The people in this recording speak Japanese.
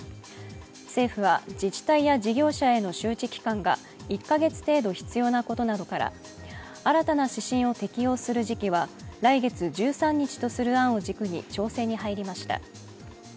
政府は、自治体や事業者への周知期間が１か月程度必要なことから新たな指針を適用する時期は来月１３日とする案を軸に調整に入りました。